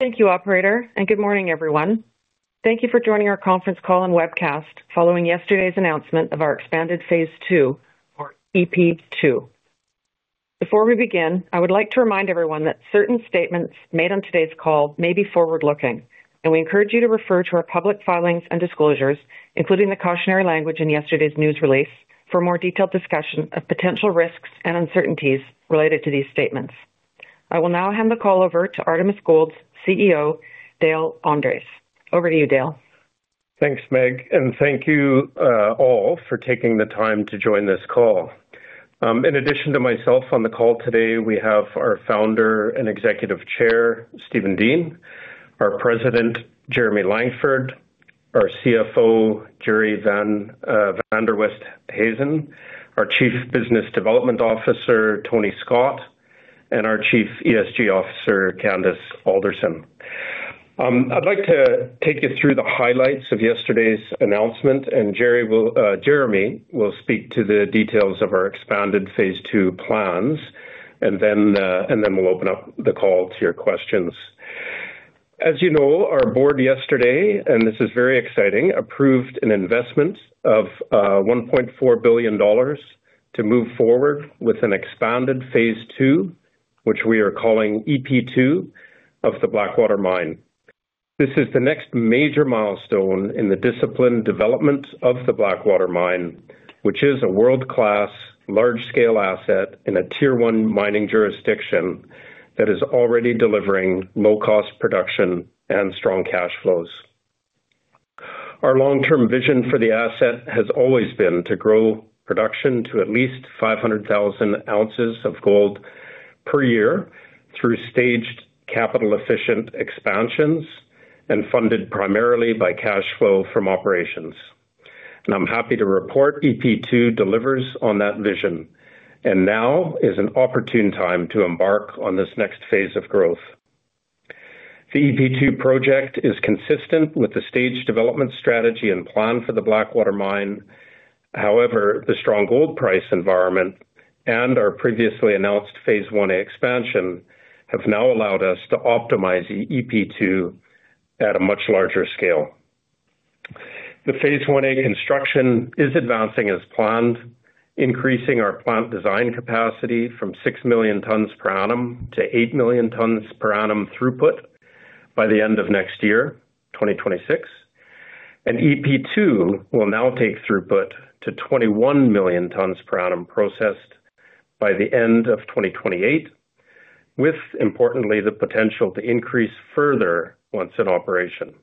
Thank you, Operator, and good morning, everyone. Thank you for joining our conference call and webcast following yesterday's announcement of our expanded Phase 2, or EP2. Before we begin, I would like to remind everyone that certain statements made on today's call may be forward-looking, and we encourage you to refer to our public filings and disclosures, including the cautionary language in yesterday's news release, for more detailed discussion of potential risks and uncertainties related to these statements. I will now hand the call over to Artemis Gold's CEO, Dale Andres. Over to you, Dale. Thanks, Meg, and thank you all for taking the time to join this call. In addition to myself on the call today, we have our founder and Executive Chair, Steven Dean, our President, Jeremy Langford, our CFO, Gerrie van der Westhuizen, our Chief Business Development Officer, Tony Scott, and our Chief ESG Officer, Candace Alderson. I'd like to take you through the highlights of yesterday's announcement, and Jeremy will speak to the details of our expanded Phase 2 plans, and then we'll open up the call to your questions. As you know, our board yesterday, and this is very exciting, approved an investment of 1.4 billion dollars to move forward with an Expanded Phase 2, which we are calling EP2, of the Blackwater Mine. This is the next major milestone in the disciplined development of the Blackwater Mine, which is a world-class, large-scale asset in a Tier 1 mining jurisdiction that is already delivering low-cost production and strong cash flows. Our long-term vision for the asset has always been to grow production to at least 500,000 ounces of gold per year through staged capital-efficient expansions and funded primarily by cash flow from operations. And I'm happy to report EP2 delivers on that vision, and now is an opportune time to embark on this next phase of growth. The EP2 project is consistent with the staged development strategy and plan for the Blackwater Mine. However, the strong gold price environment and our previously announced Phase 1A expansion have now allowed us to optimize EP2 at a much larger scale. The Phase 1A construction is advancing as planned, increasing our plant design capacity from six million tonnes per annum to eight million tonnes per annum throughput by the end of next year, 2026, and EP2 will now take throughput to 21 million tonnes per annum processed by the end of 2028, with, importantly, the potential to increase further once in operation.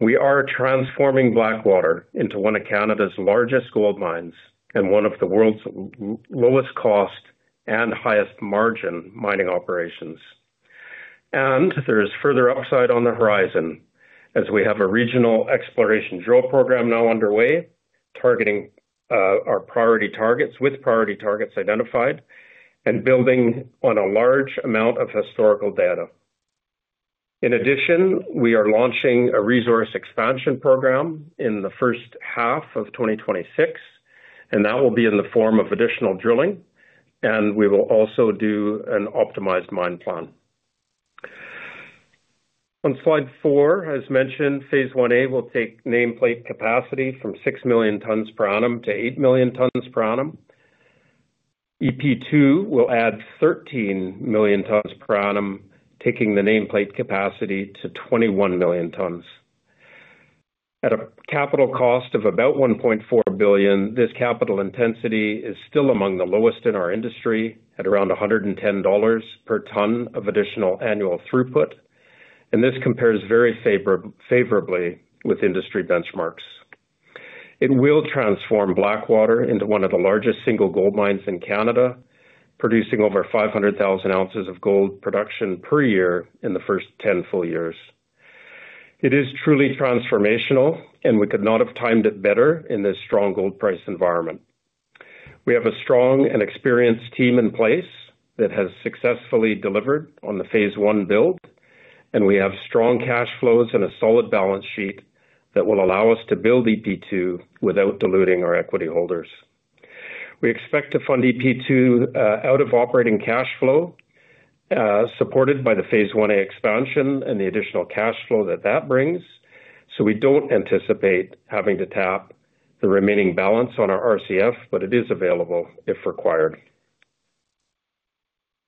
We are transforming Blackwater into one of Canada's largest gold mines and one of the world's lowest-cost and highest-margin mining operations, and there is further upside on the horizon as we have a regional exploration drill program now underway, targeting our priority targets with priority targets identified and building on a large amount of historical data. In addition, we are launching a resource expansion program in the first half of 2026, and that will be in the form of additional drilling, and we will also do an optimized mine plan. On slide 4, as mentioned, Phase 1A will take nameplate capacity from 6 million tonnes per annum to 8 million tonnes per annum. EP2 will add 13 million tonnes per annum, taking the nameplate capacity to 21 million tonnes. At a capital cost of about 1.4 billion, this capital intensity is still among the lowest in our industry, at around 110 dollars per tonne of additional annual throughput, and this compares very favorably with industry benchmarks. It will transform Blackwater into one of the largest single gold mines in Canada, producing over 500,000 ounces of gold production per year in the first 10 full years. It is truly transformational, and we could not have timed it better in this strong gold price environment. We have a strong and experienced team in place that has successfully delivered on the Phase 1 build, and we have strong cash flows and a solid balance sheet that will allow us to build EP2 without diluting our equity holders. We expect to fund EP2 out of operating cash flow, supported by the Phase 1A expansion and the additional cash flow that that brings, so we don't anticipate having to tap the remaining balance on our RCF, but it is available if required.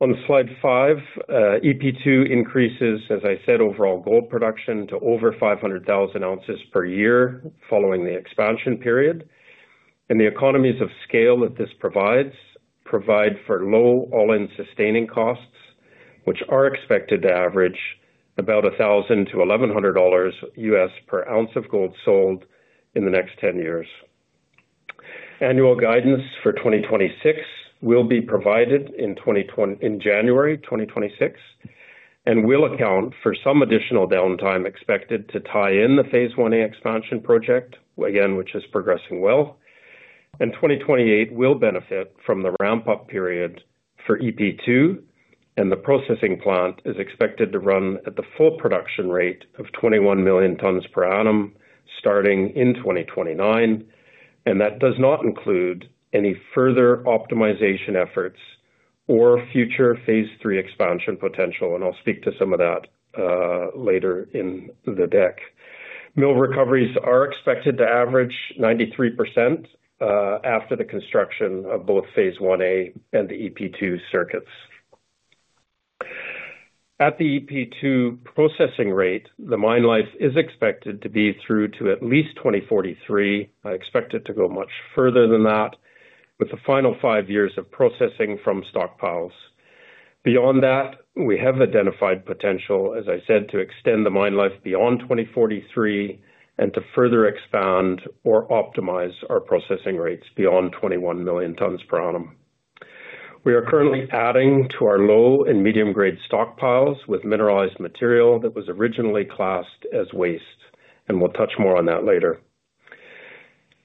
On slide 5, EP2 increases, as I said, overall gold production to over 500,000 ounces per year following the expansion period, and the economies of scale that this provides provide for low All-in Sustaining Costs, which are expected to average about $1,000-$1,100 per ounce of gold sold in the next ten years. Annual guidance for 2026 will be provided in January 2026 and will account for some additional downtime expected to tie in the Phase 1A expansion project, again, which is progressing well. 2028 will benefit from the ramp-up period for EP2, and the processing plant is expected to run at the full production rate of 21 million tonnes per annum starting in 2029, and that does not include any further optimization efforts or future Phase 3 expansion potential, and I'll speak to some of that later in the deck. Mill recoveries are expected to average 93% after the construction of both Phase 1A and the EP2 circuits. At the EP2 processing rate, the mine life is expected to be through to at least 2043. I expect it to go much further than that with the final five years of processing from stockpiles. Beyond that, we have identified potential, as I said, to extend the mine life beyond 2043 and to further expand or optimize our processing rates beyond 21 million tonnes per annum. We are currently adding to our low and medium-grade stockpiles with mineralized material that was originally classed as waste, and we'll touch more on that later.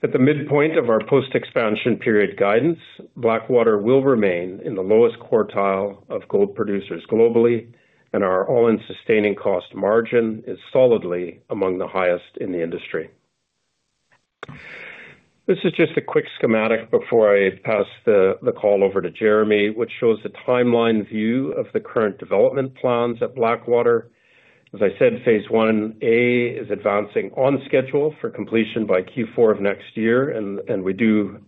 At the midpoint of our post-expansion period guidance, Blackwater will remain in the lowest quartile of gold producers globally, and our All-in Sustaining Cost margin is solidly among the highest in the industry. This is just a quick schematic before I pass the call over to Jeremy, which shows the timeline view of the current development plans at Blackwater. As I said, Phase 1A is advancing on schedule for completion by Q4 of next year, and we do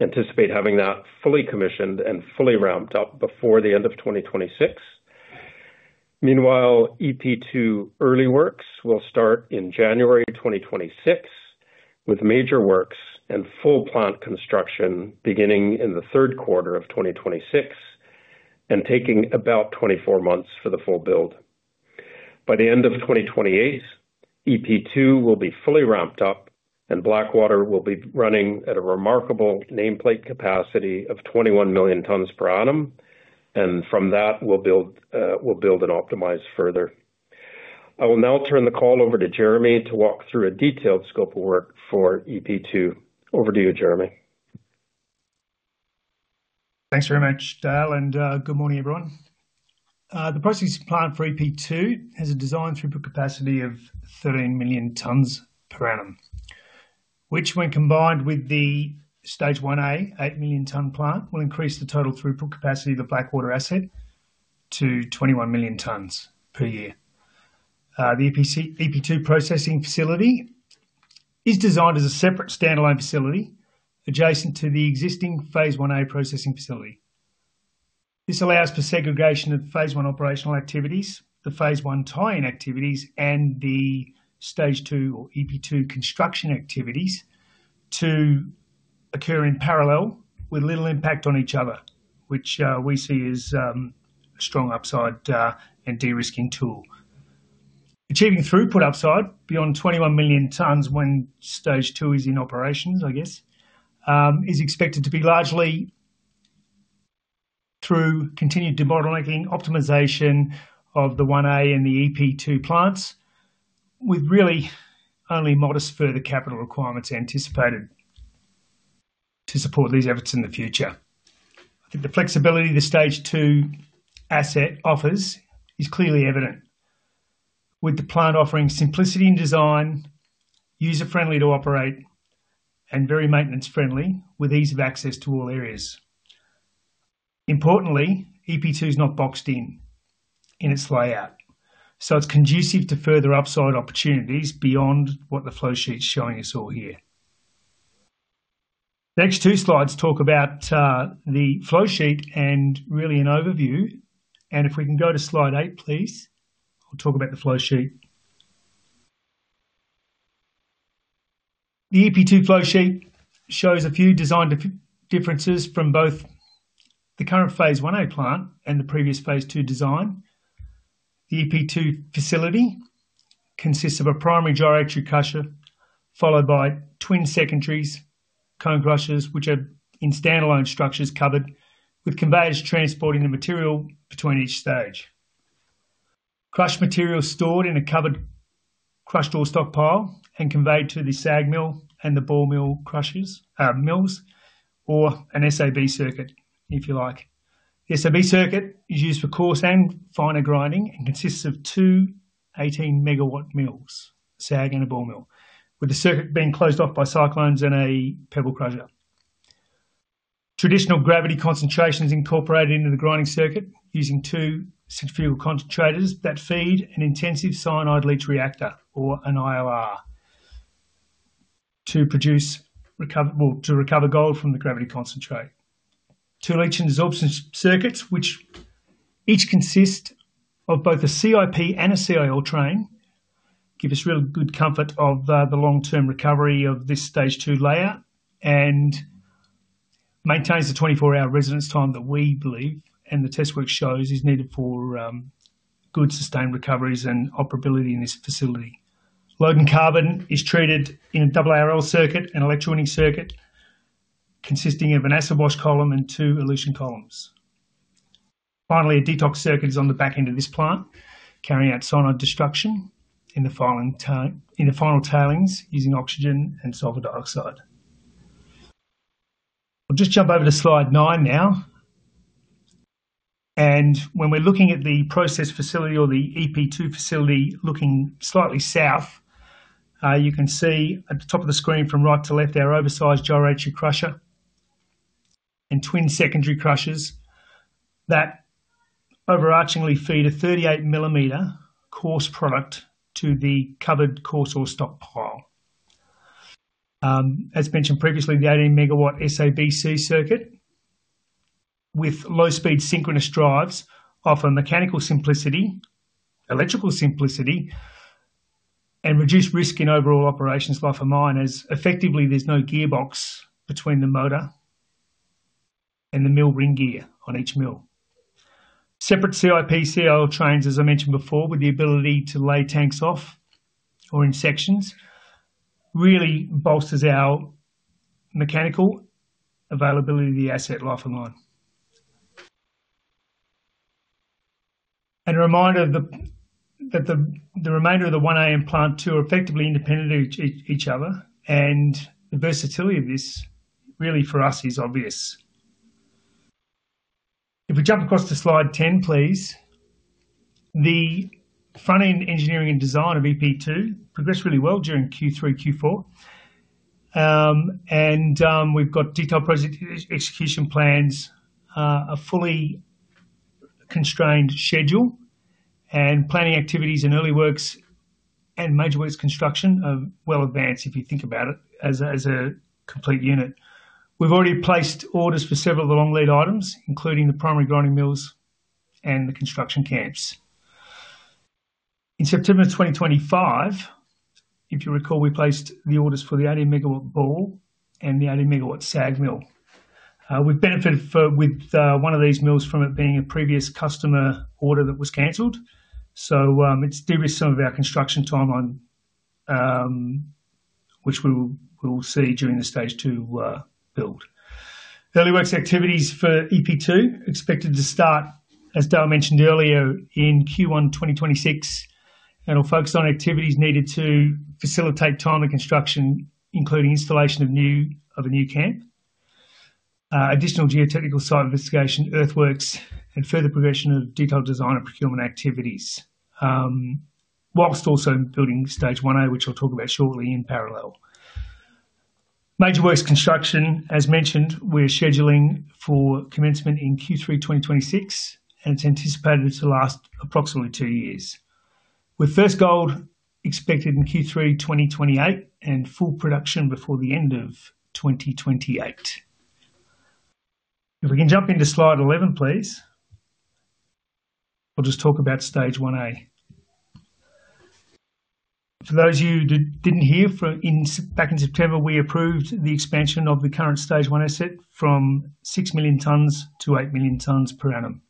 anticipate having that fully commissioned and fully ramped up before the end of 2026. Meanwhile, EP2 early works will start in January 2026 with major works and full plant construction beginning in the third quarter of 2026 and taking about 24 months for the full build. By the end of 2028, EP2 will be fully ramped up, and Blackwater will be running at a remarkable nameplate capacity of 21 million tonnes per annum, and from that, we'll build and optimize further. I will now turn the call over to Jeremy to walk through a detailed scope of work for EP2. Over to you, Jeremy. Thanks very much, Dale, and good morning, everyone. The processing plant for EP2 has a design throughput capacity of 13 million tonnes per annum, which, when combined with the Stage 1A, 8 million-tonne plant, will increase the total throughput capacity of the Blackwater asset to 21 million tonnes per year. The EP2 processing facility is designed as a separate standalone facility adjacent to the existing Phase 1A processing facility. This allows for segregation of Phase 1 operational activities, the Phase 1 tie-in activities, and the Stage 2 or EP2 construction activities to occur in parallel with little impact on each other, which we see as a strong upside and de-risking tool. Achieving throughput upside beyond 21 million tonnes when Stage 2 is in operations, I guess, is expected to be largely through continued de-bottlenecking optimization of the 1A and the EP2 plants, with really only modest further capital requirements anticipated to support these efforts in the future. I think the flexibility the Stage 2 asset offers is clearly evident, with the plant offering simplicity in design, user-friendly to operate, and very maintenance-friendly, with ease of access to all areas. Importantly, EP2 is not boxed in its layout, so it's conducive to further upside opportunities beyond what the flowsheet is showing us all here. The next two slides talk about the flowsheet and really an overview, and if we can go to slide 8, please, we'll talk about the flowsheet. The EP2 flowsheet shows a few design differences from both the current Phase 1A plant and the previous Phase 2 design. The EP2 facility consists of a primary gyratory crusher followed by twin secondaries, cone crushers, which are in standalone structures covered with conveyors transporting the material between each stage. Crushed material is stored in a covered crushed ore stockpile and conveyed to the SAG mill and the ball mill crushers, mills, or an SABC circuit, if you like. The SABC circuit is used for coarse and finer grinding and consists of two 18-megawatt mills, SAG and a ball mill, with the circuit being closed off by cyclones and a pebble crusher. Traditional gravity concentrations are incorporated into the grinding circuit using two centrifugal concentrators that feed an intensive cyanide leach reactor, or an ILR, to recover gold from the gravity concentrate. Two leach and absorption circuits, which each consist of both a CIP and a CIL train, give us real good comfort of the long-term recovery of this Phase 2 layout and maintains the 24-hour residence time that we believe and the test work shows is needed for good sustained recoveries and operability in this facility. Loaded carbon is treated in a double AARL circuit, an electrowinning circuit consisting of an acid wash column and two elution columns. Finally, a detox circuit is on the back end of this plant, carrying out cyanide destruction in the final tailings using oxygen and sulphur dioxide. We'll just jump over to slide 9 now. And when we're looking at the process facility or the EP2 facility looking slightly south, you can see at the top of the screen from right to left our oversized gyratory crusher and twin secondary crushers that overarchingly feed a 38-millimetre coarse product to the covered coarse ore stockpile. As mentioned previously, the 18-MW SABC circuit with low-speed synchronous drives offer mechanical simplicity, electrical simplicity, and reduce risk in overall operations life of mine as effectively there's no gearbox between the motor and the mill ring gear on each mill. Separate CIP/CIL trains, as I mentioned before, with the ability to lay tanks off or in sections, really bolsters our mechanical availability of the asset life of mine. And a reminder that the remainder of the 1A and plant two are effectively independent of each other, and the versatility of this really for us is obvious. If we jump across to slide 10, please, the front-end engineering and design of EP2 progressed really well during Q3, Q4, and we've got detailed project execution plans, a fully constrained schedule, and planning activities and early works and major works construction are well advanced if you think about it as a complete unit. We've already placed orders for several of the long lead items, including the primary grinding mills and the construction camps. In September 2025, if you recall, we placed the orders for the 18-megawatt ball and the 18-megawatt SAG mill. We've benefited with one of these mills from it being a previous customer order that was canceled, so it's de-risked some of our construction timeline, which we will see during the Stage 2 build. Early works activities for EP2 are expected to start, as Dale mentioned earlier, in Q1 2026, and will focus on activities needed to facilitate time of construction, including installation of a new camp, additional geotechnical site investigation, earthworks, and further progression of detailed design and procurement activities, while also building Stage 1A, which I'll talk about shortly in parallel. Major works construction, as mentioned, we're scheduling for commencement in Q3 2026, and it's anticipated to last approximately two years. With first gold expected in Q3 2028 and full production before the end of 2028. If we can jump into slide 11, please, we'll just talk about Stage 1A. For those of you who didn't hear, back in September, we approved the expansion of the current Stage 1 asset from 6 million tonnes to 8 million tonnes per annum,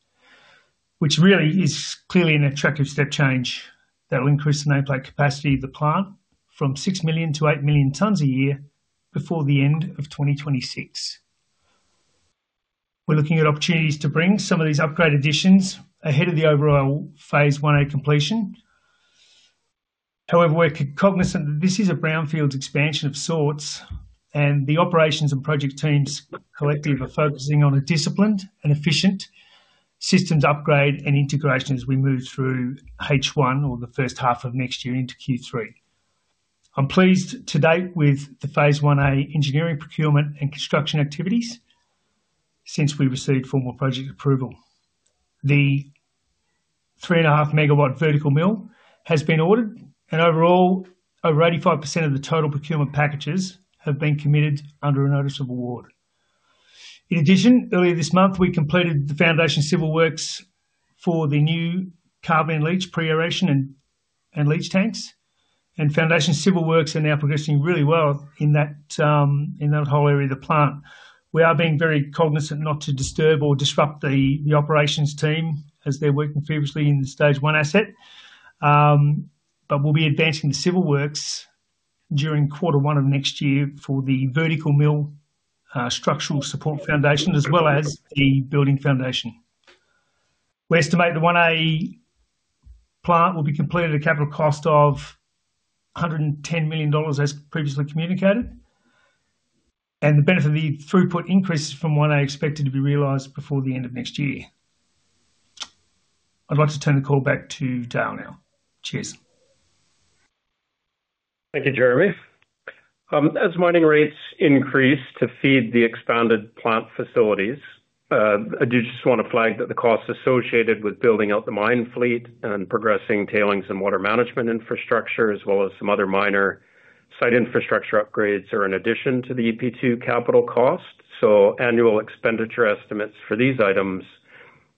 which really is clearly an attractive step change that will increase the nameplate capacity of the plant from 6 million to 8 million tonnes a year before the end of 2026. We're looking at opportunities to bring some of these upgrade additions ahead of the overall Phase 1A completion. However, we're cognizant that this is a brownfield expansion of sorts, and the operations and project teams collectively are focusing on a disciplined and efficient systems upgrade and integration as we move through H1 or the first half of next year into Q3. I'm pleased to date with the Phase 1A engineering, procurement, and construction activities since we received formal project approval. The 3.5 megawatt vertical mill has been ordered, and overall, over 85% of the total procurement packages have been committed under a notice of award. In addition, earlier this month, we completed the foundation civil works for the new carbon leach pre-aeration and leach tanks, and foundation civil works are now progressing really well in that whole area of the plant. We are being very cognizant not to disturb or disrupt the operations team as they're working fiercely in the Stage 1 asset, but we'll be advancing the civil works during quarter one of next year for the vertical mill structural support foundation as well as the building foundation. We estimate the 1A plant will be completed at a capital cost of 110 million dollars, as previously communicated, and the benefit of the throughput increase from 1A is expected to be realized before the end of next year. I'd like to turn the call back to Dale now. Cheers. Thank you, Jeremy. As mining rates increase to feed the expanded plant facilities, I do just want to flag that the costs associated with building out the mine fleet and progressing tailings and water management infrastructure, as well as some other minor site infrastructure upgrades, are in addition to the EP2 capital cost. So annual expenditure estimates for these items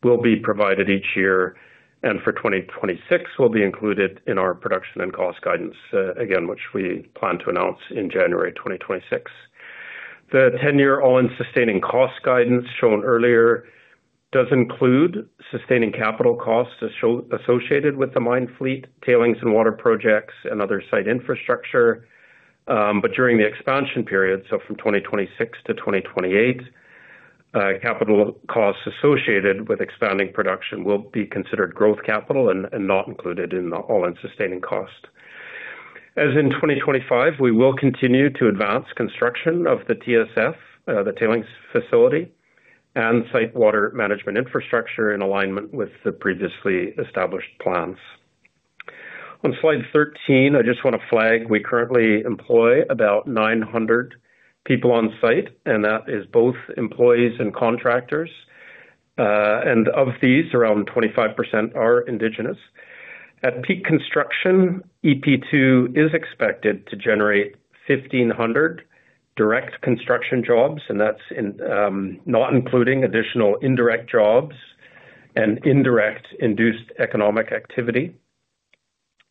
will be provided each year, and for 2026, will be included in our production and cost guidance, again, which we plan to announce in January 2026. The 10-year All-in Sustaining Cost guidance shown earlier does include sustaining capital costs associated with the mine fleet, tailings and water projects, and other site infrastructure, but during the expansion period, so from 2026-2028, capital costs associated with expanding production will be considered growth capital and not included in the All-in Sustaining Cost. As in 2025, we will continue to advance construction of the TSF, the tailings facility, and site water management infrastructure in alignment with the previously established plans. On slide 13, I just want to flag, we currently employ about 900 people on site, and that is both employees and contractors, and of these, around 25% are indigenous. At peak construction, EP2 is expected to generate 1,500 direct construction jobs, and that's not including additional indirect jobs and indirect induced economic activity.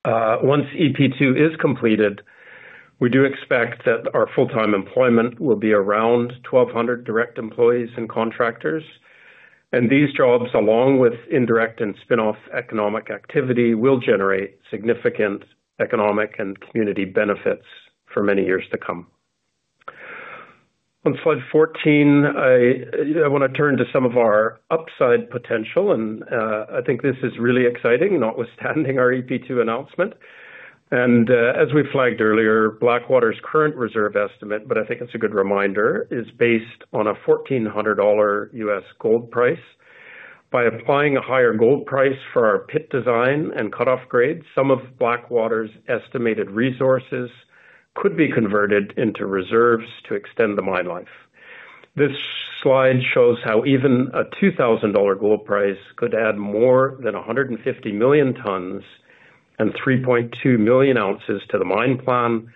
Once EP2 is completed, we do expect that our full-time employment will be around 1,200 direct employees and contractors, and these jobs, along with indirect and spin-off economic activity, will generate significant economic and community benefits for many years to come. On slide 14, I want to turn to some of our upside potential, and I think this is really exciting, notwithstanding our EP2 announcement. As we flagged earlier, Blackwater's current reserve estimate, but I think it's a good reminder, is based on a $1,400 gold price. By applying a higher gold price for our pit design and cut-off grade, some of Blackwater's estimated resources could be converted into reserves to extend the mine life. This slide shows how even a $2,000 gold price could add more than 150 million tonnes and 3.2 million ounces to the mine plan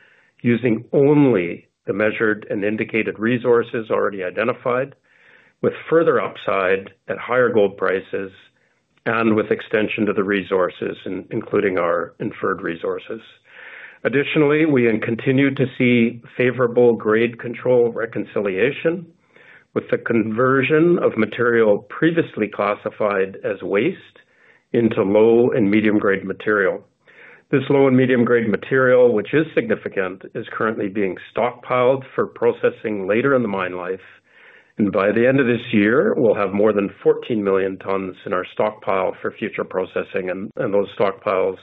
using only the measured and indicated resources already identified, with further upside at higher gold prices and with extension to the resources, including our inferred resources. Additionally, we continue to see favorable grade control reconciliation with the conversion of material previously classified as waste into low and medium-grade material. This low and medium-grade material, which is significant, is currently being stockpiled for processing later in the mine life, and by the end of this year, we'll have more than 14 million tonnes in our stockpile for future processing, and those stockpiles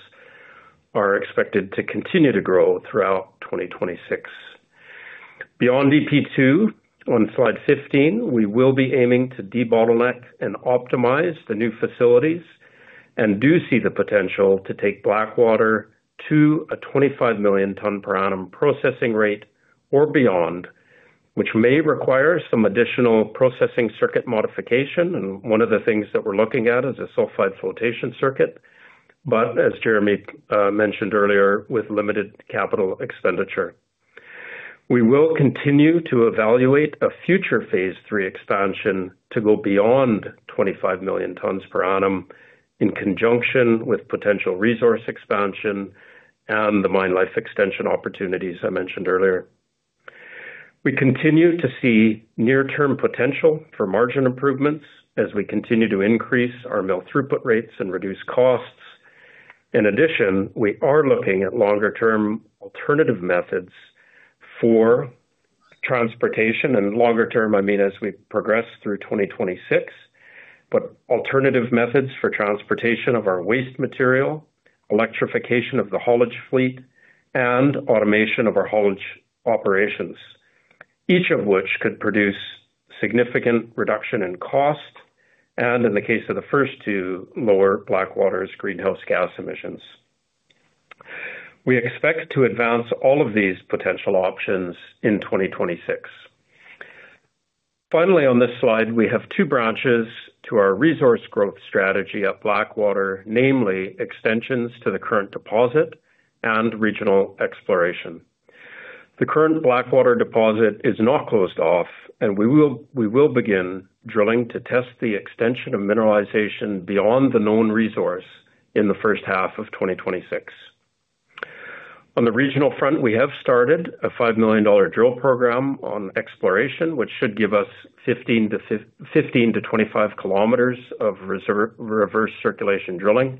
are expected to continue to grow throughout 2026. Beyond EP2, on slide 15, we will be aiming to de-bottleneck and optimize the new facilities and do see the potential to take Blackwater to a 25 million tonne per annum processing rate or beyond, which may require some additional processing circuit modification, and one of the things that we're looking at is a sulphide flotation circuit, but as Jeremy mentioned earlier, with limited capital expenditure. We will continue to evaluate a future Phase 3 expansion to go beyond 25 million tonnes per annum in conjunction with potential resource expansion and the mine life extension opportunities I mentioned earlier. We continue to see near-term potential for margin improvements as we continue to increase our mill throughput rates and reduce costs. In addition, we are looking at longer-term alternative methods for transportation, and longer-term, I mean as we progress through 2026, but alternative methods for transportation of our waste material, electrification of the haulage fleet, and automation of our haulage operations, each of which could produce significant reduction in cost and, in the case of the first two, lower Blackwater's greenhouse gas emissions. We expect to advance all of these potential options in 2026. Finally, on this slide, we have two branches to our resource growth strategy at Blackwater, namely extensions to the current deposit and regional exploration. The current Blackwater deposit is not closed off, and we will begin drilling to test the extension of mineralization beyond the known resource in the first half of 2026. On the regional front, we have started a 5 million dollar drill program on exploration, which should give us 15-25 km of reverse circulation drilling.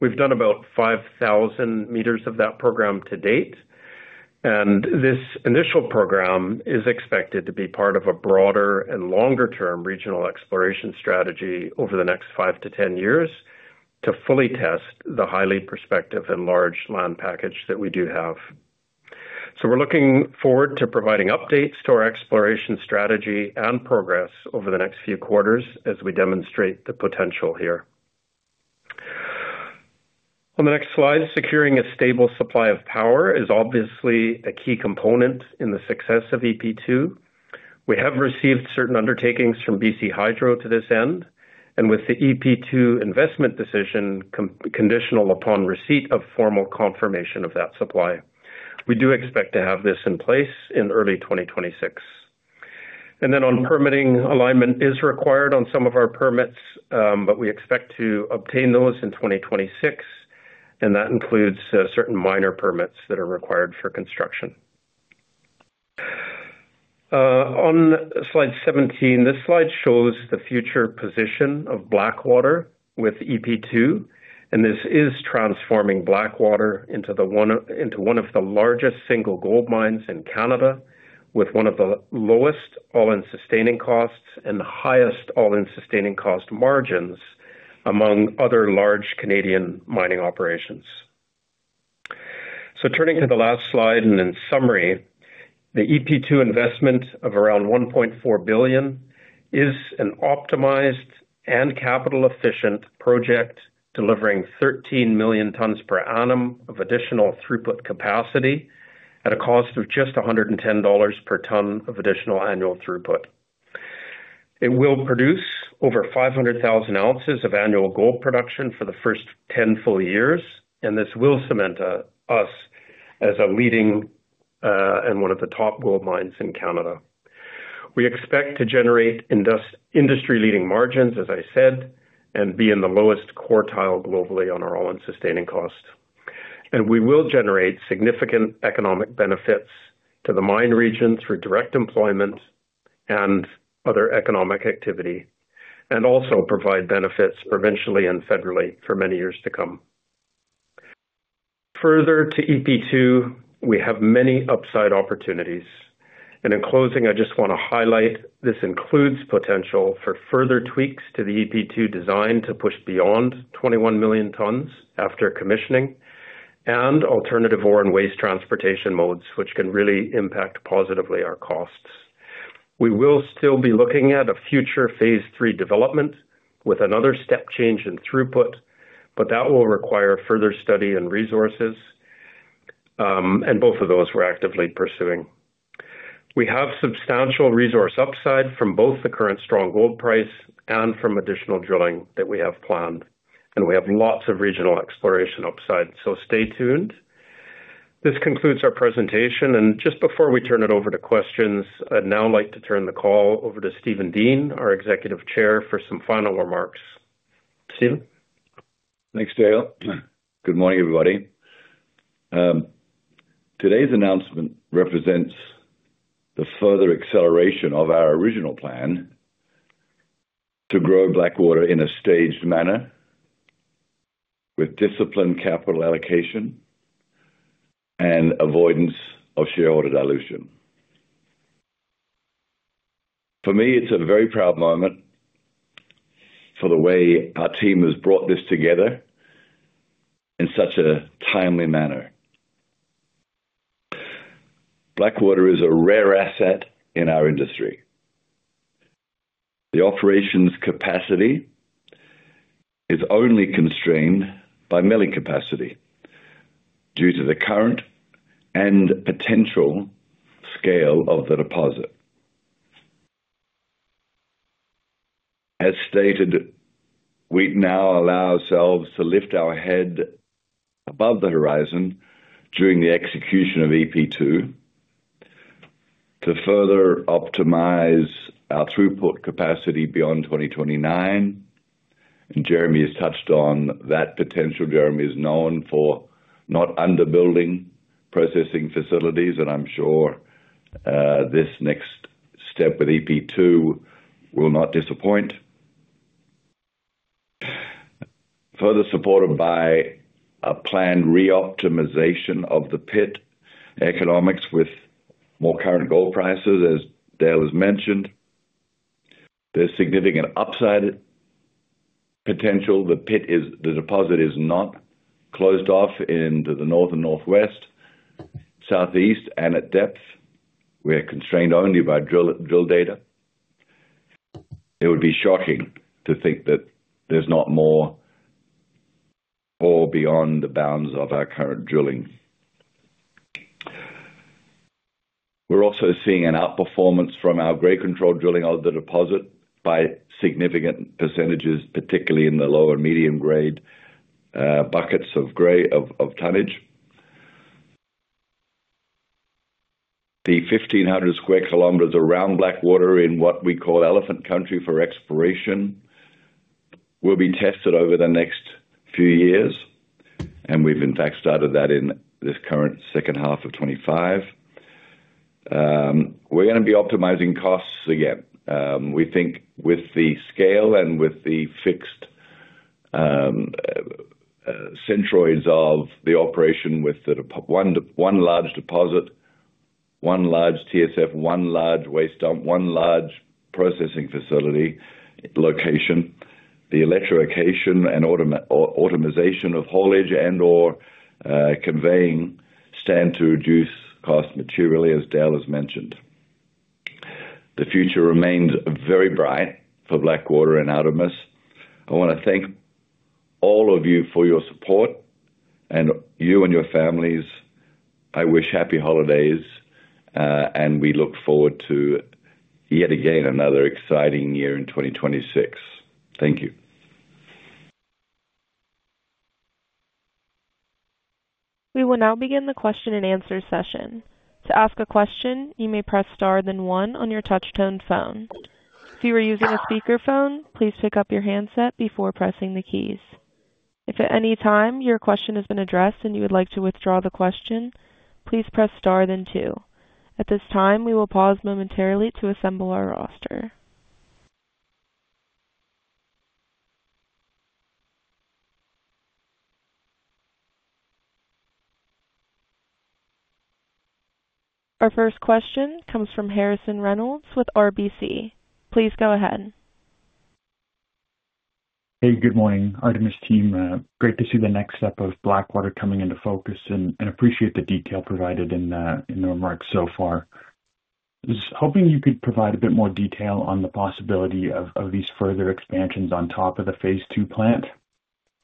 We've done about 5,000 meters of that program to date, and this initial program is expected to be part of a broader and longer-term regional exploration strategy over the next 5-10 years to fully test the highly prospective and large land package that we do have. So we're looking forward to providing updates to our exploration strategy and progress over the next few quarters as we demonstrate the potential here. On the next slide, securing a stable supply of power is obviously a key component in the success of EP2. We have received certain undertakings from BC Hydro to this end, and with the EP2 investment decision conditional upon receipt of formal confirmation of that supply, we do expect to have this in place in early 2026, and then on permitting, alignment is required on some of our permits, but we expect to obtain those in 2026, and that includes certain minor permits that are required for construction. On slide 17, this slide shows the future position of Blackwater with EP2, and this is transforming Blackwater into one of the largest single gold mines in Canada, with one of the lowest All-in Sustaining Costs and highest All-in Sustaining Cost margins among other large Canadian mining operations. Turning to the last slide and in summary, the EP2 investment of around 1.4 billion is an optimized and capital-efficient project delivering 13 million tonnes per annum of additional throughput capacity at a cost of just 110 dollars per tonne of additional annual throughput. It will produce over 500,000 ounces of annual gold production for the first 10 full years, and this will cement us as a leading and one of the top gold mines in Canada. We expect to generate industry-leading margins, as I said, and be in the lowest quartile globally on our All-in Sustaining Costs. We will generate significant economic benefits to the mine region through direct employment and other economic activity, and also provide benefits provincially and federally for many years to come. Further to EP2, we have many upside opportunities, and in closing, I just want to highlight this includes potential for further tweaks to the EP2 design to push beyond 21 million tonnes after commissioning and alternative ore and waste transportation modes, which can really impact positively our costs. We will still be looking at a future Phase 3 development with another step change in throughput, but that will require further study and resources, and both of those we're actively pursuing. We have substantial resource upside from both the current strong gold price and from additional drilling that we have planned, and we have lots of regional exploration upside, so stay tuned. This concludes our presentation, and just before we turn it over to questions, I'd now like to turn the call over to Steven Dean, our Executive Chair, for some final remarks. Steven. Thanks, Dale. Good morning, everybody. Today's announcement represents the further acceleration of our original plan to grow Blackwater in a staged manner with disciplined capital allocation and avoidance of shareholder dilution. For me, it's a very proud moment for the way our team has brought this together in such a timely manner. Blackwater is a rare asset in our industry. The operation's capacity is only constrained by milling capacity due to the current and potential scale of the deposit. As stated, we now allow ourselves to lift our head above the horizon during the execution of EP2 to further optimize our throughput capacity beyond 2029, and Jeremy has touched on that potential. Jeremy is known for not underbuilding processing facilities, and I'm sure this next step with EP2 will not disappoint. Further supported by a planned re-optimization of the pit economics with more current gold prices, as Dale has mentioned, there's significant upside potential. The deposit is not closed off into the north and northwest, southeast, and at depth. We are constrained only by drill data. It would be shocking to think that there's not more or beyond the bounds of our current drilling. We're also seeing an outperformance from our grade control drilling of the deposit by significant percentages, particularly in the low and medium-grade buckets of tonnage. The 1,500 sq km around Blackwater in what we call Elephant Country for exploration will be tested over the next few years, and we've in fact started that in this current second half of 2025. We're going to be optimizing costs again. We think with the scale and with the fixed centroids of the operation with one large deposit, one large TSF, one large waste dump, one large processing facility location, the electrification and optimization of haulage and/or conveying stand to reduce cost materially, as Dale has mentioned. The future remains very bright for Blackwater and Artemis. I want to thank all of you for your support and you and your families. I wish happy holidays, and we look forward to yet again another exciting year in 2026. Thank you. We will now begin the question and answer session. To ask a question, you may press star then one on your touch-tone phone. If you are using a speakerphone, please pick up your handset before pressing the keys. If at any time your question has been addressed and you would like to withdraw the question, please press star then two. At this time, we will pause momentarily to assemble our roster. Our first question comes from Harrison Reynolds with RBC. Please go ahead. Hey, good morning. Artemis Team, great to see the next step of Blackwater coming into focus and appreciate the detail provided in the remarks so far. I was hoping you could provide a bit more detail on the possibility of these further expansions on top of the Phase 2 plant.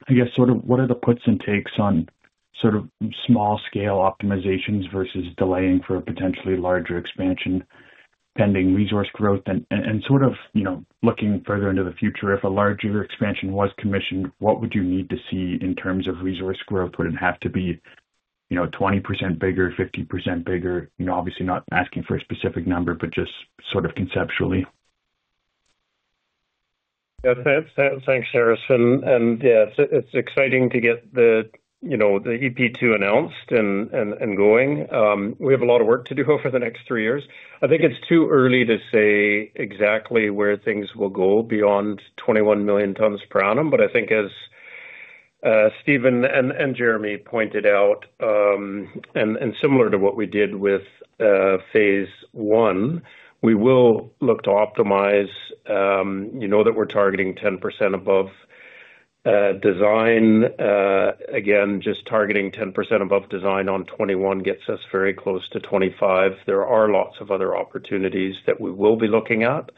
I guess sort of what are the puts and takes on sort of small-scale optimizations versus delaying for a potentially larger expansion pending resource growth and sort of looking further into the future? If a larger expansion was commissioned, what would you need to see in terms of resource growth? Would it have to be 20% bigger, 50% bigger? Obviously, not asking for a specific number, but just sort of conceptually. Yeah, thanks, Harrison. And yeah, it's exciting to get the EP2 announced and going. We have a lot of work to do over the next three years. I think it's too early to say exactly where things will go beyond 21 million tonnes per annum, but I think as Steven and Jeremy pointed out, and similar to what we did with Phase 1, we will look to optimize. You know that we're targeting 10% above design. Again, just targeting 10% above design on 21 gets us very close to 25. There are lots of other opportunities that we will be looking at,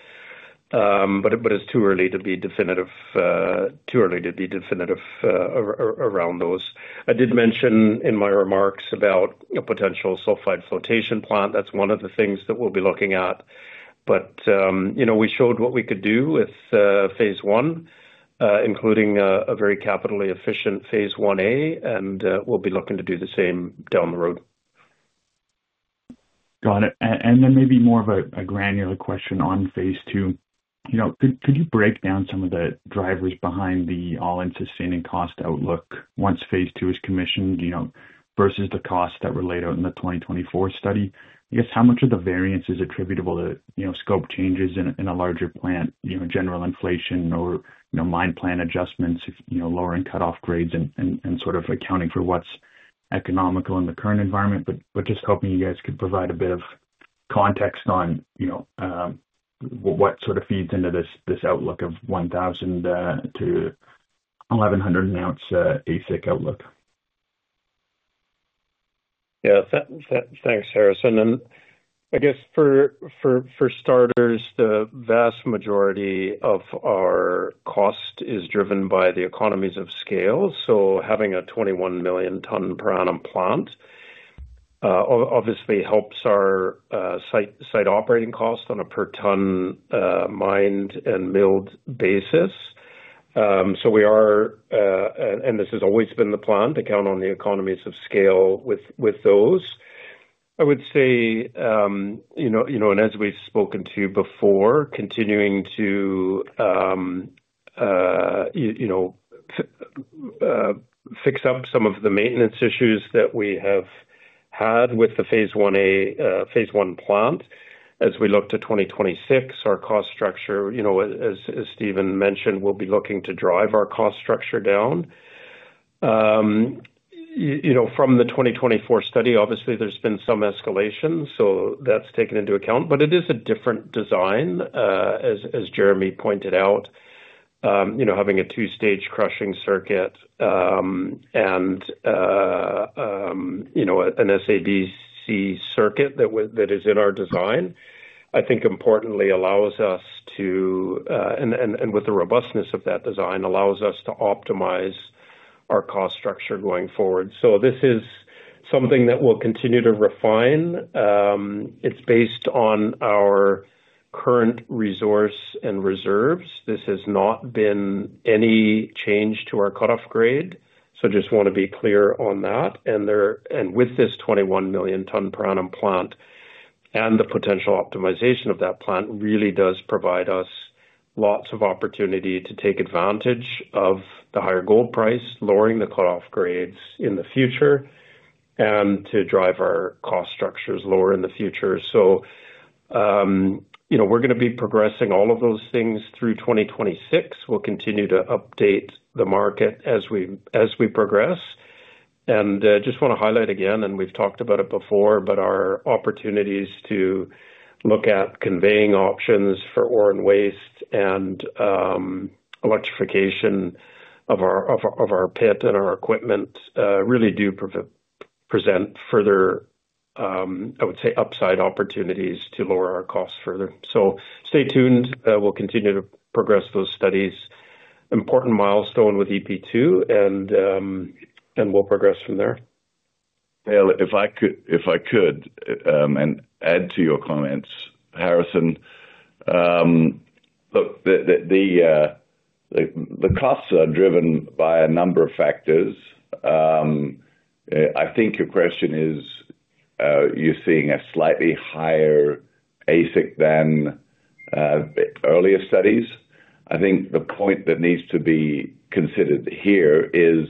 but it's too early to be definitive around those. I did mention in my remarks about a potential sulphide flotation plant. That's one of the things that we'll be looking at, but we showed what we could do with Phase 1, including a very capitally efficient Phase 1A, and we'll be looking to do the same down the road. Got it. And then maybe more of a granular question on Phase 2. Could you break down some of the drivers behind the All-in Sustaining Cost outlook once Phase 2 is commissioned versus the costs that were laid out in the 2024 study? I guess how much of the variance is attributable to scope changes in a larger plant, general inflation, or mine plan adjustments, lowering cutoff grades, and sort of accounting for what's economical in the current environment? But just hoping you guys could provide a bit of context on what sort of feeds into this outlook of 1,000-1,100 an ounce AISC outlook? Yeah, thanks, Harrison. I guess for starters, the vast majority of our cost is driven by the economies of scale. So having a 21 million tonne per annum plant obviously helps our site operating cost on a per-tonne mined and milled basis. So we are, and this has always been the plan, to count on the economies of scale with those. I would say, and as we've spoken to you before, continuing to fix up some of the maintenance issues that we have had with the Phase 1A Phase 1 plant. As we look to 2026, our cost structure, as Steven mentioned, we'll be looking to drive our cost structure down. From the 2024 study, obviously, there's been some escalation, so that's taken into account, but it is a different design, as Jeremy pointed out, having a two-stage crushing circuit and an SABC circuit that is in our design. I think, importantly, allows us to, and with the robustness of that design, allows us to optimize our cost structure going forward. So this is something that we'll continue to refine. It's based on our current resource and reserves. This has not been any change to our cut-off grade, so I just want to be clear on that. And with this 21 million tonne per annum plant and the potential optimization of that plant really does provide us lots of opportunity to take advantage of the higher gold price, lowering the cut-off grades in the future, and to drive our cost structures lower in the future. So we're going to be progressing all of those things through 2026. We'll continue to update the market as we progress. I just want to highlight again, and we've talked about it before, but our opportunities to look at conveying options for ore and waste and electrification of our pit and our equipment really do present further, I would say, upside opportunities to lower our costs further. Stay tuned. We'll continue to progress those studies. Important milestone with EP2, and we'll progress from there. Dale, if I could add to your comments, Harrison. Look, the costs are driven by a number of factors. I think your question is you're seeing a slightly higher AISC than earlier studies. I think the point that needs to be considered here is,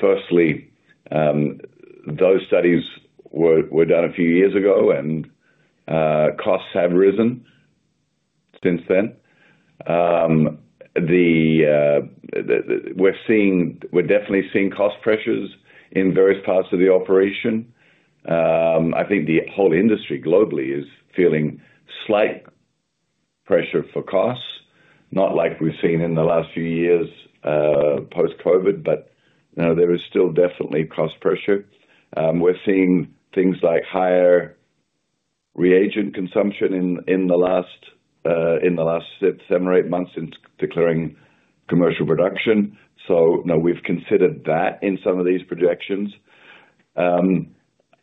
firstly, those studies were done a few years ago, and costs have risen since then. We're definitely seeing cost pressures in various parts of the operation. I think the whole industry globally is feeling slight pressure for costs, not like we've seen in the last few years post-COVID, but there is still definitely cost pressure. We're seeing things like higher reagent consumption in the last seven or eight months in declaring commercial production. So we've considered that in some of these projections.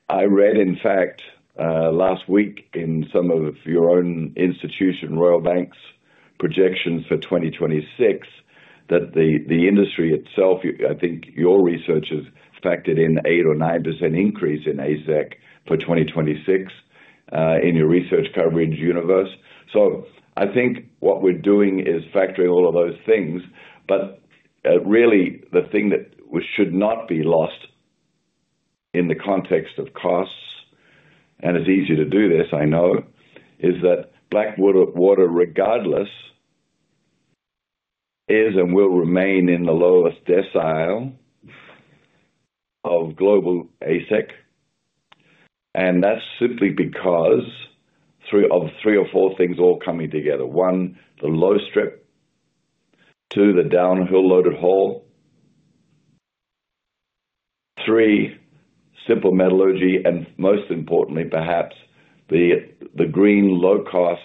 I read, in fact, last week in some of your own institution, Royal Bank's projections for 2026, that the industry itself, I think your research has factored in an 8% or 9% increase in AISC for 2026 in your research coverage universe. So I think what we're doing is factoring all of those things, but really the thing that should not be lost in the context of costs, and it's easy to do this, I know, is that Blackwater, regardless, is and will remain in the lowest decile of global AISC. And that's simply because of three or four things all coming together. One, the low strip. Two, the downhill loaded haul. Three, simple metallurgy. And most importantly, perhaps, the green low-cost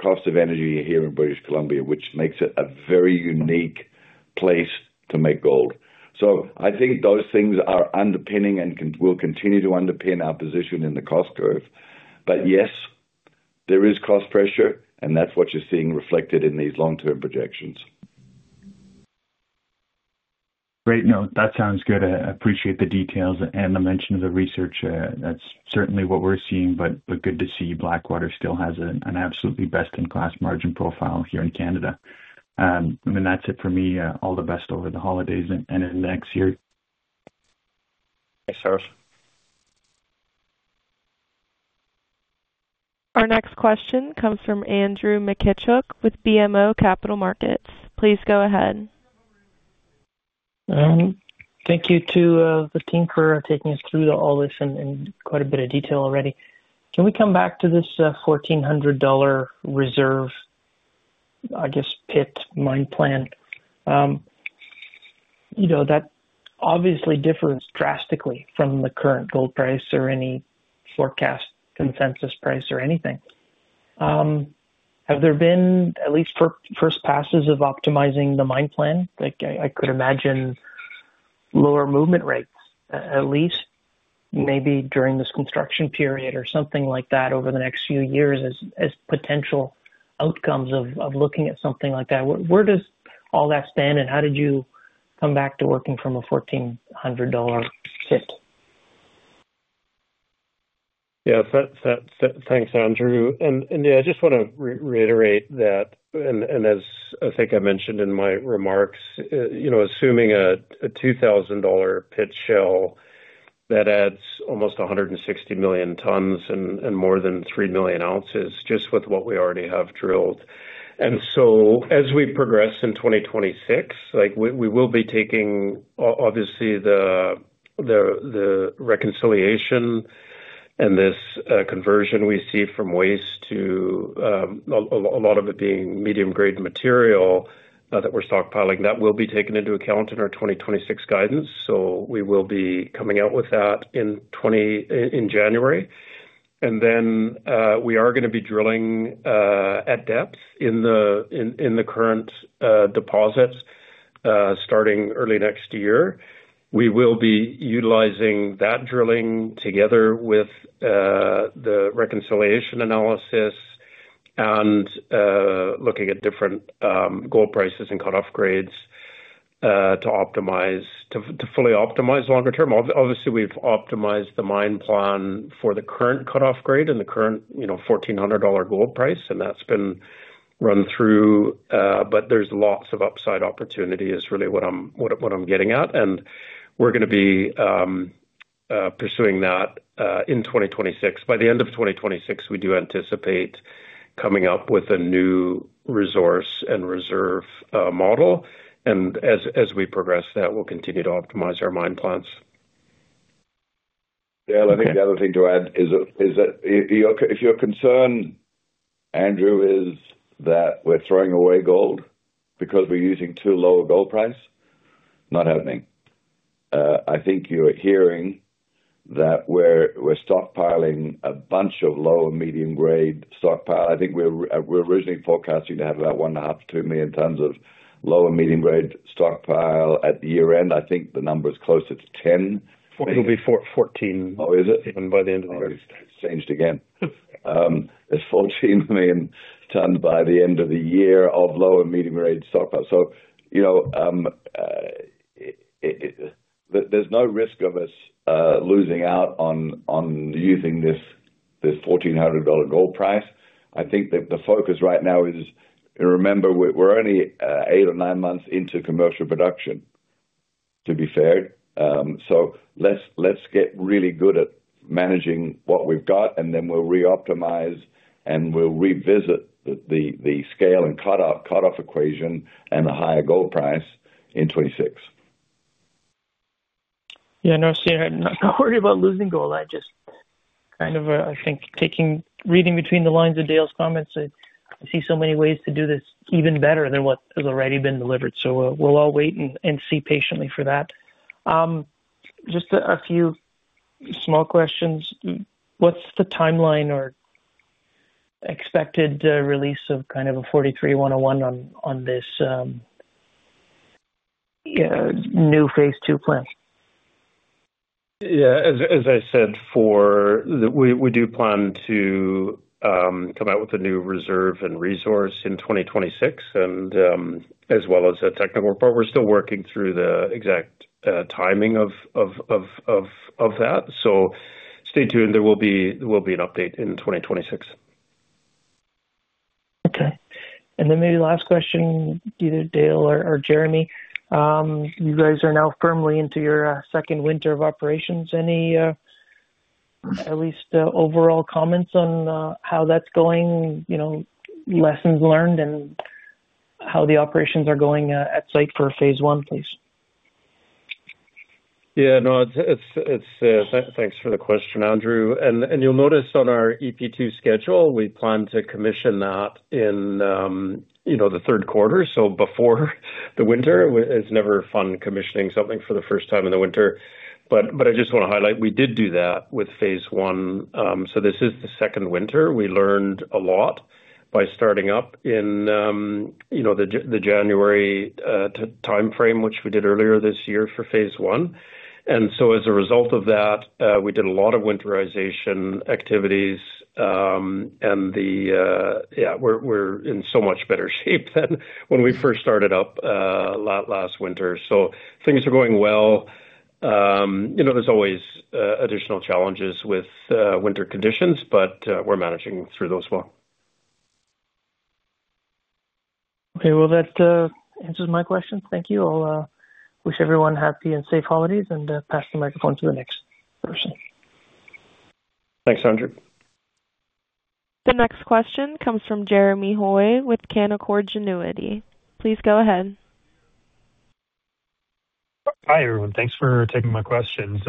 cost of energy here in British Columbia, which makes it a very unique place to make gold. So I think those things are underpinning and will continue to underpin our position in the cost curve. But yes, there is cost pressure, and that's what you're seeing reflected in these long-term projections. Great note. That sounds good. I appreciate the details and the mention of the research. That's certainly what we're seeing, but good to see Blackwater still has an absolutely best-in-class margin profile here in Canada. I mean, that's it for me. All the best over the holidays and into next year. Thanks, Harrison. Our next question comes from Andrew Mikitchook with BMO Capital Markets. Please go ahead. Thank you to the team for taking us through all this and quite a bit of detail already. Can we come back to this $1,400 reserve, I guess, pit mine plan? That obviously differs drastically from the current gold price or any forecast consensus price or anything. Have there been at least first passes of optimizing the mine plan? I could imagine lower movement rates, at least maybe during this construction period or something like that over the next few years as potential outcomes of looking at something like that. Where does all that stand, and how did you come back to working from a $1,400 pit? Yeah, thanks, Andrew. And yeah, I just want to reiterate that, and as I think I mentioned in my remarks, assuming a $2,000 pit shell that adds almost 160 million tonnes and more than 3 million ounces just with what we already have drilled. And so as we progress in 2026, we will be taking obviously the reconciliation and this conversion we see from waste to a lot of it being medium-grade material that we're stockpiling, that will be taken into account in our 2026 guidance. So we will be coming out with that in January. And then we are going to be drilling at depth in the current deposits starting early next year. We will be utilizing that drilling together with the reconciliation analysis and looking at different gold prices and cut-off grades to fully optimize longer term. Obviously, we've optimized the mine plan for the current cut-off grade and the current $1,400 gold price, and that's been run through, but there's lots of upside opportunity, is really what I'm getting at, and we're going to be pursuing that in 2026. By the end of 2026, we do anticipate coming up with a new resource and reserve model, and as we progress that, we'll continue to optimize our mine plans. Dale, I think the other thing to add is that if your concern, Andrew, is that we're throwing away gold because we're using too low a gold price, not happening. I think you're hearing that we're stockpiling a bunch of low and medium-grade stockpile. I think we're originally forecasting to have about one and a half to two million tonnes of low and medium-grade stockpile at the year end. I think the number is closer to 10. It'll be 14 by the end of the year. Oh, is it? Changed again. It's 14 million tonnes by the end of the year of low- and medium-grade stockpile. So there's no risk of us losing out on using this $1,400 gold price. I think that the focus right now is, remember, we're only eight or nine months into commercial production, to be fair. So let's get really good at managing what we've got, and then we'll reoptimize and we'll revisit the scale and cutoff equation and the higher gold price in 2026. Yeah, no, see, not worried about losing gold. I just kind of, I think, reading between the lines of Dale's comments, I see so many ways to do this even better than what has already been delivered. So we'll all wait and see patiently for that. Just a few small questions. What's the timeline or expected release of kind of a 43-101 on this new Phase 2 plan? Yeah, as I said, we do plan to come out with a new reserve and resource in 2026, as well as a technical report. We're still working through the exact timing of that. So stay tuned. There will be an update in 2026. Okay. And then maybe last question, either Dale or Jeremy. You guys are now firmly into your second winter of operations. Any at least overall comments on how that's going, lessons learned, and how the operations are going at site for Phase 1, please? Yeah, no, thanks for the question, Andrew. And you'll notice on our EP2 schedule, we plan to commission that in the third quarter, so before the winter. It's never fun commissioning something for the first time in the winter. But I just want to highlight we did do that with Phase 1. So this is the second winter. We learned a lot by starting up in the January timeframe, which we did earlier this year for Phase 1. And so as a result of that, we did a lot of winterization activities. And yeah, we're in so much better shape than when we first started up last winter. So things are going well. There's always additional challenges with winter conditions, but we're managing through those well. Okay, well, that answers my questions. Thank you. I'll wish everyone happy and safe holidays and pass the microphone to the next person. Thanks, Andrew. The next question comes from Jeremy Hoy with Canaccord Genuity. Please go ahead. Hi, everyone. Thanks for taking my questions.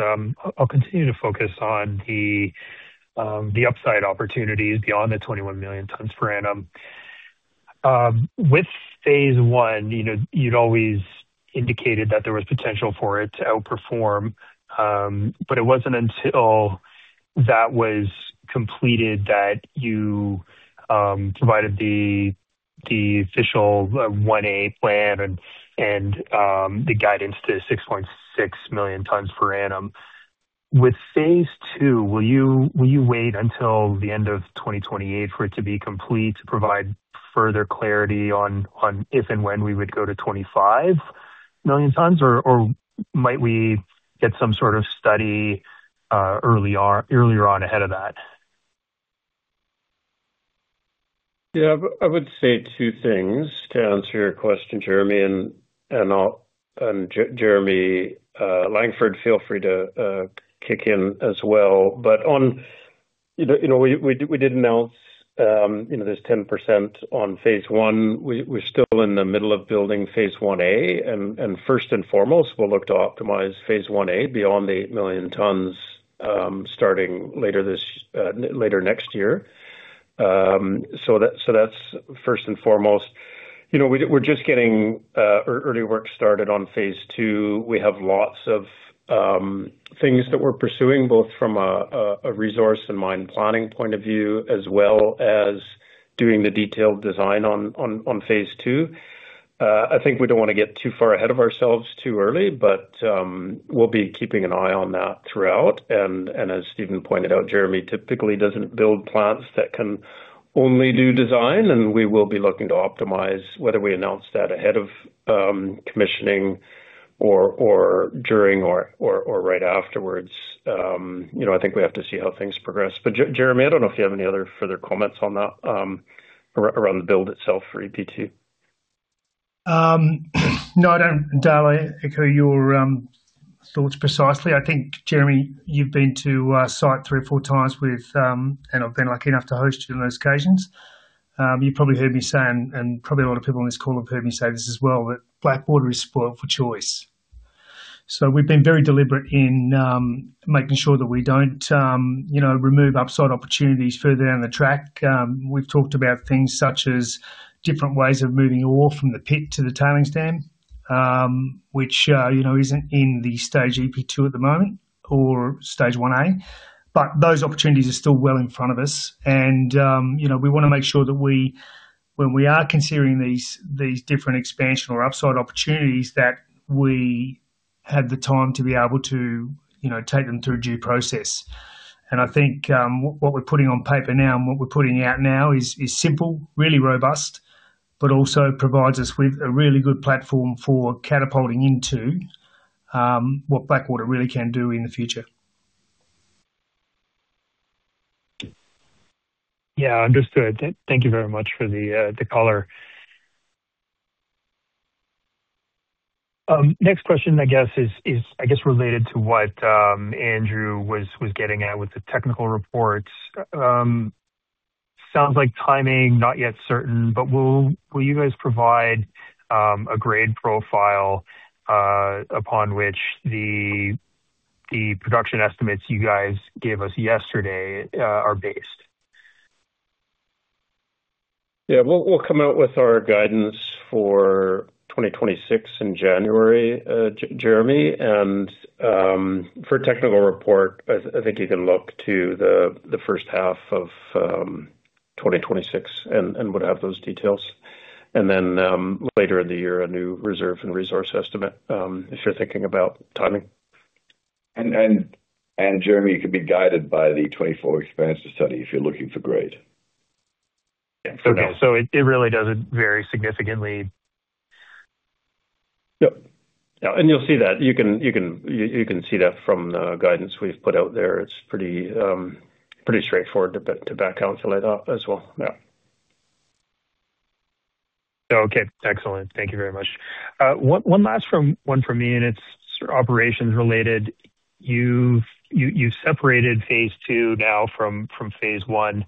I'll continue to focus on the upside opportunities beyond the 21 million tonnes per annum. With Phase 1, you'd always indicated that there was potential for it to outperform, but it wasn't until that was completed that you provided the official 1A plan and the guidance to 6.6 million tonnes per annum. With Phase 2, will you wait until the end of 2028 for it to be complete to provide further clarity on if and when we would go to 25 million tonnes, or might we get some sort of study earlier on ahead of that? Yeah, I would say two things to answer your question, Jeremy. Jeremy, Jeremy Langford, feel free to kick in as well. We did announce this 10% on Phase 1. We're still in the middle of building Phase 1A. First and foremost, we'll look to optimize Phase 1A beyond the 8 million tonnes starting later next year. That's first and foremost. We're just getting early work started on Phase 2. We have lots of things that we're pursuing, both from a resource and mine planning point of view, as well as doing the detailed design on Phase 2. I think we don't want to get too far ahead of ourselves too early, but we'll be keeping an eye on that throughout. As Steven pointed out, Jeremy typically doesn't build plants that can only do design, and we will be looking to optimize whether we announce that ahead of commissioning or during or right afterwards. I think we have to see how things progress. But Jeremy, I don't know if you have any other further comments on that around the build itself for EP2. No, I don't directly echo your thoughts precisely. I think, Jeremy, you've been to site three or four times, and I've been lucky enough to host you on those occasions. You've probably heard me say, and probably a lot of people on this call have heard me say this as well, that Blackwater is spoiled for choice. So we've been very deliberate in making sure that we don't remove upside opportunities further down the track. We've talked about things such as different ways of moving ore from the pit to the tailings stand, which isn't in the stage EP2 at the moment or stage 1A. But those opportunities are still well in front of us. And we want to make sure that when we are considering these different expansion or upside opportunities, that we have the time to be able to take them through due process. I think what we're putting on paper now and what we're putting out now is simple, really robust, but also provides us with a really good platform for catapulting into what Blackwater really can do in the future. Yeah, understood. Thank you very much for the color. Next question, I guess, is I guess related to what Andrew was getting at with the technical reports. Sounds like timing not yet certain, but will you guys provide a grade profile upon which the production estimates you guys gave us yesterday are based? Yeah, we'll come out with our guidance for 2026 in January, Gerrie. And for technical report, I think you can look to the first half of 2026 and would have those details. And then later in the year, a new reserve and resource estimate if you're thinking about timing. Jeremy, you could be guided by the 2024 expansion study if you're looking for grade. Yeah, so it really doesn't vary significantly. Yep. And you'll see that. You can see that from the guidance we've put out there. It's pretty straightforward to back calculate up as well. Yeah. Okay, excellent. Thank you very much. One last one for me, and it's operations related. You've separated Phase 2 now from Phase 1.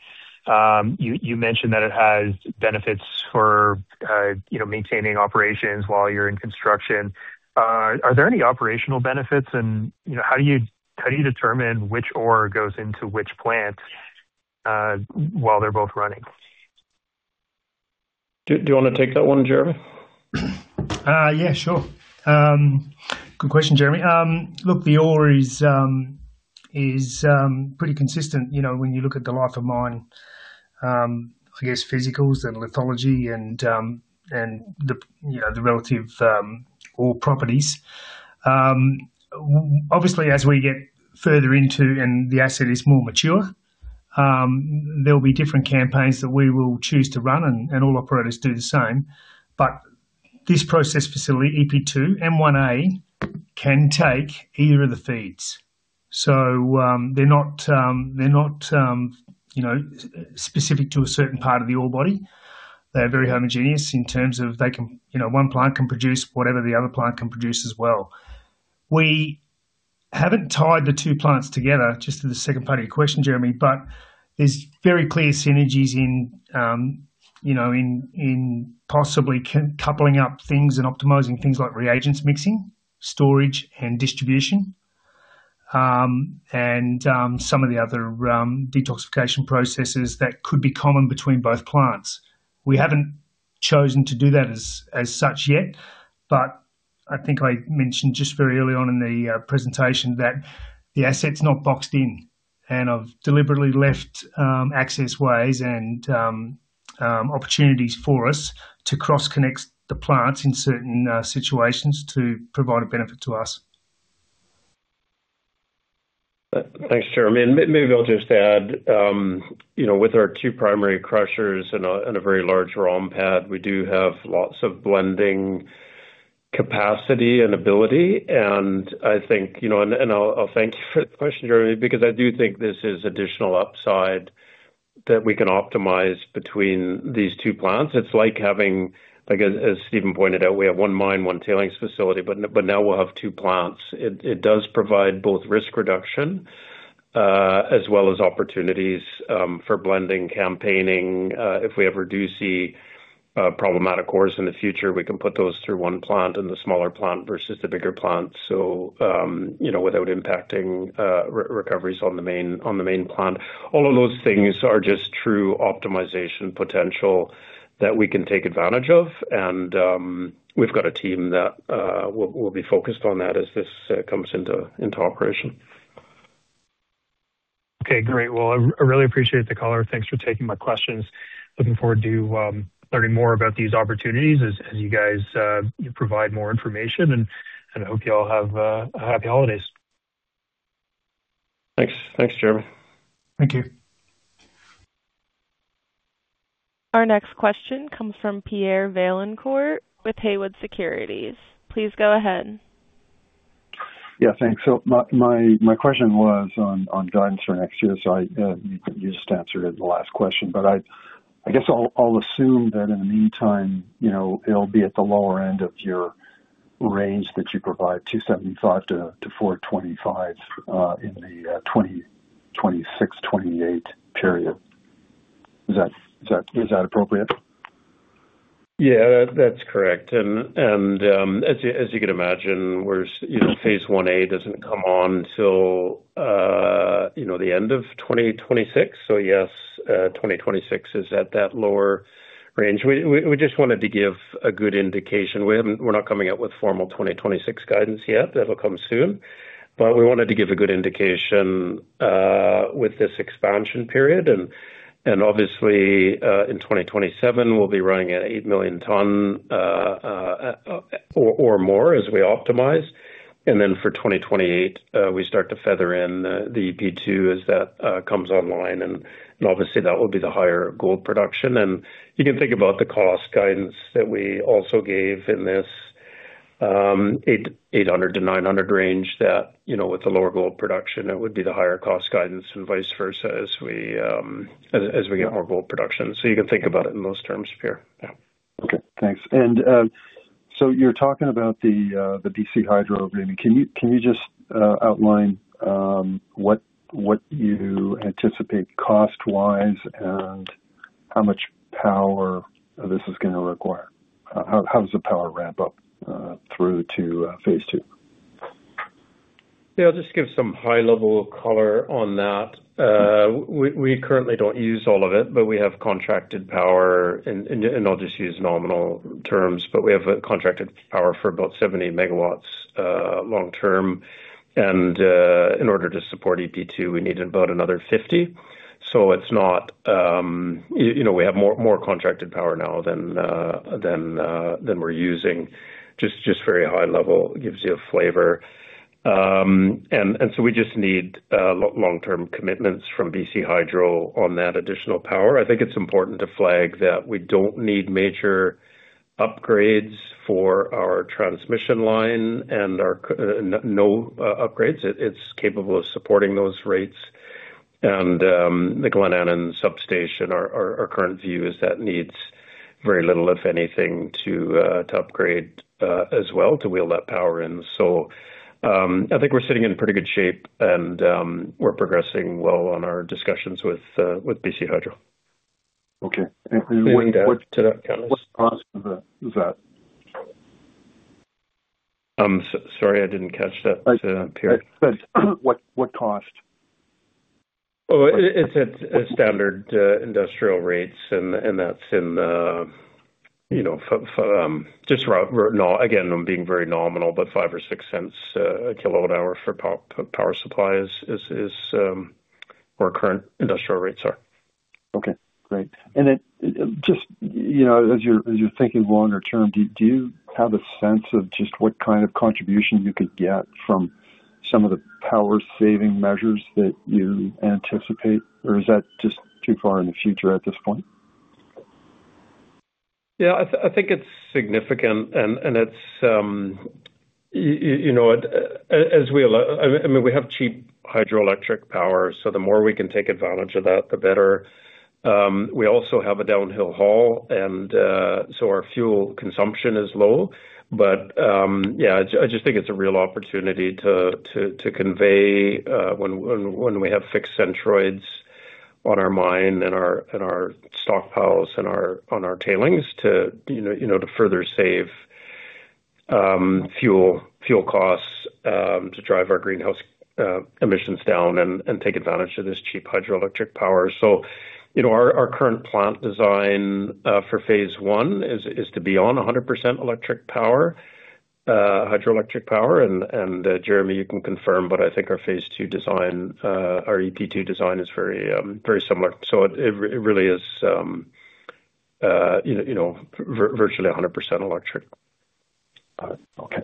You mentioned that it has benefits for maintaining operations while you're in construction. Are there any operational benefits? And how do you determine which ore goes into which plant while they're both running? Do you want to take that one, Jeremy? Yeah, sure. Good question, Jeremy. Look, the ore is pretty consistent when you look at the life of mine, I guess, physicals and lithology and the relative ore properties. Obviously, as we get further into and the asset is more mature, there will be different campaigns that we will choose to run, and all operators do the same. But this process facility, EP2, Phase 1A can take either of the feeds. So they're not specific to a certain part of the ore body. They're very homogeneous in terms of one plant can produce whatever the other plant can produce as well. We haven't tied the two plants together just to the second part of your question, Jeremy, but there's very clear synergies in possibly coupling up things and optimizing things like reagents mixing, storage, and distribution, and some of the other detoxification processes that could be common between both plants. We haven't chosen to do that as such yet, but I think I mentioned just very early on in the presentation that the asset's not boxed in, and I've deliberately left access ways and opportunities for us to cross-connect the plants in certain situations to provide a benefit to us. Thanks, Jeremy. And maybe I'll just add, with our two primary crushers and a very large ROM pad, we do have lots of blending capacity and ability. And I think, and I'll thank you for the question, Jeremy, because I do think this is additional upside that we can optimize between these two plants. It's like having, as Steven pointed out, we have one mine, one tailings facility, but now we'll have two plants. It does provide both risk reduction as well as opportunities for blending campaigning. If we ever do see problematic ores in the future, we can put those through one plant and the smaller plant versus the bigger plant without impacting recoveries on the main plant. All of those things are just true optimization potential that we can take advantage of. And we've got a team that will be focused on that as this comes into operation. Okay, great. I really appreciate the color. Thanks for taking my questions. Looking forward to learning more about these opportunities as you guys provide more information. I hope you all have happy holidays. Thanks. Thanks, Jeremy. Thank you. Our next question comes from Pierre Vaillancourt with Haywood Securities. Please go ahead. Yeah, thanks. So my question was on guidance for next year. So you just answered it in the last question. But I guess I'll assume that in the meantime, it'll be at the lower end of your range that you provide, 275-425 in the 2026-2028 period. Is that appropriate? Yeah, that's correct. And as you can imagine, Phase 1A doesn't come on until the end of 2026. So yes, 2026 is at that lower range. We just wanted to give a good indication. We're not coming out with formal 2026 guidance yet. That'll come soon. But we wanted to give a good indication with this expansion period. And obviously, in 2027, we'll be running an 8 million tonne or more as we optimize. And then for 2028, we start to feather in the EP2 as that comes online. And obviously, that will be the higher gold production. And you can think about the cost guidance that we also gave in this 800-900 range that with the lower gold production, it would be the higher cost guidance and vice versa as we get more gold production. So you can think about it in those terms, Pierre. Yeah. Okay, thanks. And so you're talking about the BC Hydro. Can you just outline what you anticipate cost-wise and how much power this is going to require? How does the power ramp up through to Phase 2? Yeah, I'll just give some high-level color on that. We currently don't use all of it, but we have contracted power. And I'll just use nominal terms, but we have contracted power for about 70 MW long-term. And in order to support EP2, we need about another 50. So it's not we have more contracted power now than we're using. Just very high level gives you a flavor. And so we just need long-term commitments from BC Hydro on that additional power. I think it's important to flag that we don't need major upgrades for our transmission line and no upgrades. It's capable of supporting those rates. And the Glenannan Substation, our current view is that needs very little, if anything, to upgrade as well to wheel that power in. So I think we're sitting in pretty good shape, and we're progressing well on our discussions with BC Hydro. Okay. And what cost is that? Sorry, I didn't catch that, Pierre. What cost? Oh, it's at standard industrial rates, and that's, I'm being very nominal, but 0.05 or 0.06 a kilowatt-hour for power supply is where current industrial rates are. Okay, great. And then just as you're thinking longer term, do you have a sense of just what kind of contribution you could get from some of the power-saving measures that you anticipate? Or is that just too far in the future at this point? Yeah, I think it's significant, and as well, I mean, we have cheap hydroelectric power, so the more we can take advantage of that, the better. We also have a downhill haul, and so our fuel consumption is low, but yeah, I just think it's a real opportunity to convey when we have fixed conveyors on our mine and our stockpiles and on our tailings to further save fuel costs to drive our greenhouse emissions down and take advantage of this cheap hydroelectric power, so our current plant design for Phase 1 is to be on 100% hydroelectric power, and Jeremy, you can confirm, but I think our Phase 2 design, our EP2 design is very similar, so it really is virtually 100% electric. Got it. Okay.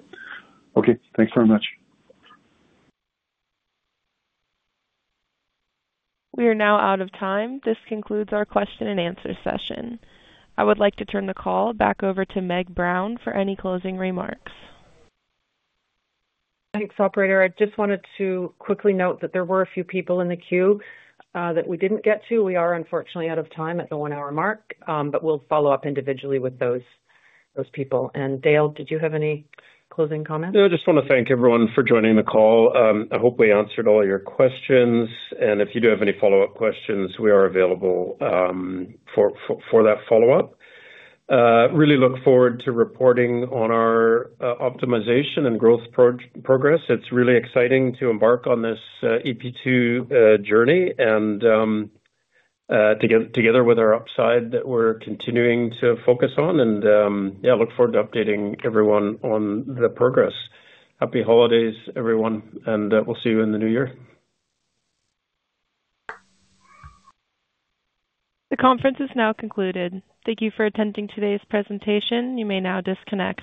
Okay, thanks very much. We are now out of time. This concludes our question and answer session. I would like to turn the call back over to Meg Brown for any closing remarks. Thanks, operator. I just wanted to quickly note that there were a few people in the queue that we didn't get to. We are, unfortunately, out of time at the one-hour mark, but we'll follow up individually with those people. And Dale, did you have any closing comments? No, I just want to thank everyone for joining the call. I hope we answered all your questions, and if you do have any follow-up questions, we are available for that follow-up. Really look forward to reporting on our optimization and growth progress. It's really exciting to embark on this EP2 journey and together with our upside that we're continuing to focus on, and yeah, look forward to updating everyone on the progress. Happy holidays, everyone, and we'll see you in the new year. The conference is now concluded. Thank you for attending today's presentation. You may now disconnect.